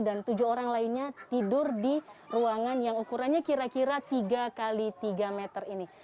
dan tujuh orang lainnya tidur di ruangan yang ukurannya kira kira tiga x tiga meter ini